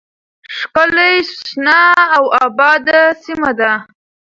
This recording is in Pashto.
ښکلې شنه او آباده سیمه ده